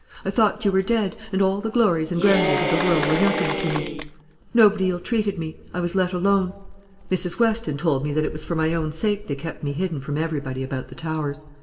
I thought you were dead, and all the glories and grandeurs of the world were nothing to me. Nobody ill treated me; I was let alone. Mrs. Weston told me that it was for my own sake they kept me hidden from everybody about the Towers.